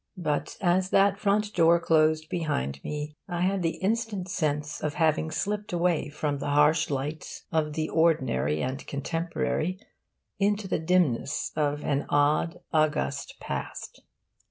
But as that front door closed behind me I had the instant sense of having slipped away from the harsh light of the ordinary and contemporary into the dimness of an odd, august past.